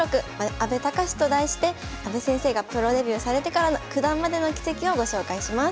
阿部隆」と題して阿部先生がプロデビューされてから九段までの軌跡をご紹介します。